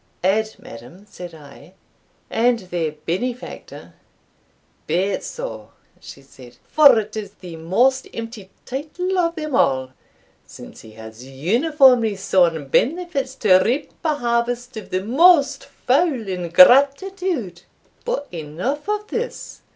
"Add, madam," said I, "and their benefactor." "Be it so," she said; "for it is the most empty title of them all, since he has uniformly sown benefits to reap a harvest of the most foul ingratitude. But enough of this.